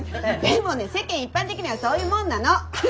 でもね世間一般的にはそういうもんなの！